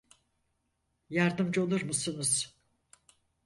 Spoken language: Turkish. Yardımcı olur musunuz?